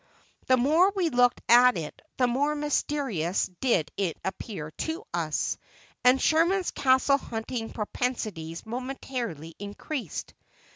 The more we looked at it the more mysterious did it appear to us, and Sherman's castle hunting propensities momentarily increased.